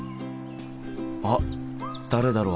あっ誰だろう？